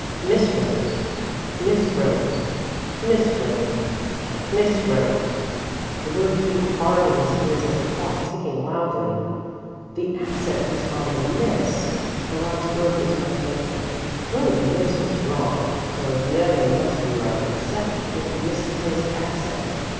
"Miss Rose, Miss Rose, Miss Rose, Miss Rose." The words beat hard in his ears like a clock ticking loudly. The accent was on the "Miss" the last word was much fainter. "Rose Miss" was wrong, so the other must be right, except for the misplaced accent.